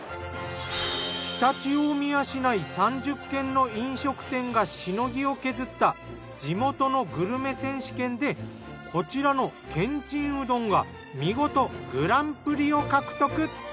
常陸大宮市内３０軒の飲食店がしのぎを削った地元のグルメ選手権でこちらのけんちんうどんが見事グランプリを獲得。